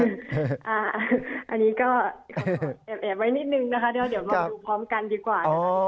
อันนี้ก็แอบไว้นิดนึงนะคะเดี๋ยวลองดูพร้อมกันดีกว่านะคะ